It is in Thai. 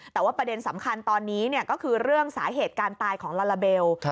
แต่ว่าประเด็นสำคัญตอนนี้ก็คือเรื่องสาเหตุการตายของลาลาเบล